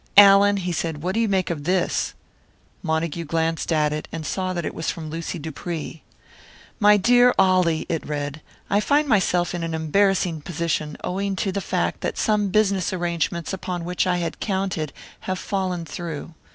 "Allan," he said, "what do you make of this?" Montague glanced at it, and saw that it was from Lucy Dupree. "My dear Ollie," it read. "I find myself in an embarrassing position, owing to the fact that some business arrangements upon which I had counted have fallen through.